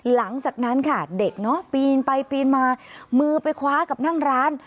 หลังจากนั้นค่ะเด็กเนาะปีนไปปีนมามือไปคว้ากับนั่งร้าน